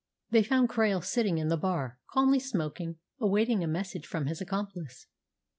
They found Krail sitting in the bar, calmly smoking, awaiting a message from his accomplice.